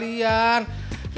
biar refreshing sekalian